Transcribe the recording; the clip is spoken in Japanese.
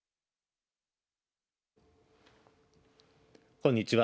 こんにちは。